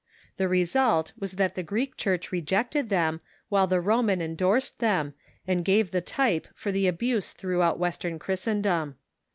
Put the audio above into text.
The result was that the Greek Church rejected them, while the Roman endorsed them, and gave the type for the abuse throughout Western Christendom.